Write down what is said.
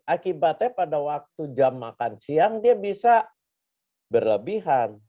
akibatnya pada waktu jam makan siang dia bisa berlebihan